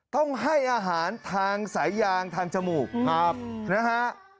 ต้องให้อาหารทางสายยางทางจมูกนะฮะ